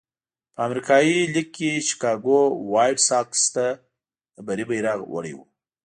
په امریکایي لېګ کې شکاګو وایټ ساکس د بري بیرغ وړی وو.